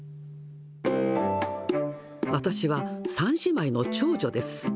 私は３姉妹の長女です。